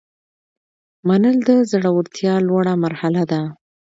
منل د زړورتیا لوړه مرحله ده.